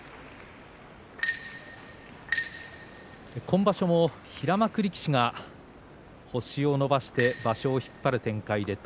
今場所も平幕力士が星を伸ばして場所を引っ張る展開です。